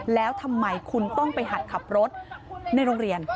แล้วทำไมคุณต้องไปหัดขับรถในโรงเรียน